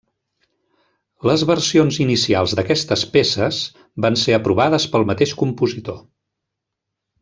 Les versions inicials d'aquestes peces van ser aprovades pel mateix compositor.